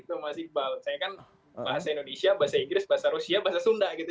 saya kan bahasa indonesia bahasa inggris bahasa rusia bahasa sunda gitu